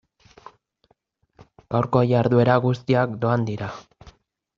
Gaurko jarduera guztiak doan dira.